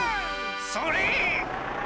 それ！